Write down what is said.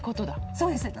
そうです。